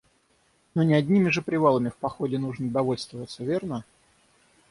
Ну не одними же привалами в походе нужно довольствоваться, верно?